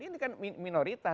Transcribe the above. ini kan minoritas